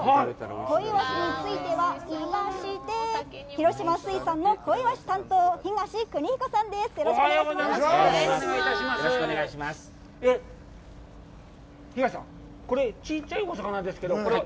小イワシについては、広島水産の小イワシ担当、東邦彦さんです。